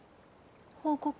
報告？